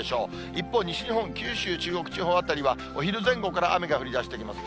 一方、西日本、九州、中国地方辺りは、お昼前後から雨が降りだしてきます。